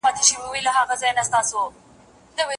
يعقوب عليه السلام ته خپلو زامنو درواغ وويل.